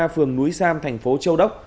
phường núi sam thành phố châu đốc